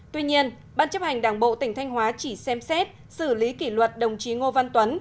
tuy nhiên ban chấp hành đảng bộ tỉnh thanh hóa chỉ xem xét xử lý kỷ luật đồng chí ngô văn tuấn